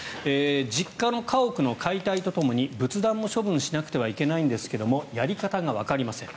実家の家屋の解体とともに仏壇も処分しなきゃいけないんですがやり方がわかりません。